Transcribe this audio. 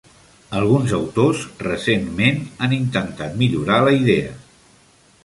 Alguns autors, recentment, han intentat millorar la idea.